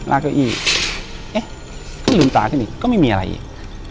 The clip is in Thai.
เอ๊ะก็ลืมตาขึ้นอีกก็ไม่มีอะไรอีก